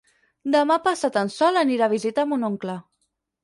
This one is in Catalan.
Demà passat en Sol anirà a visitar mon oncle.